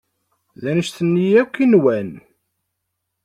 D anect-nni akk i nwan.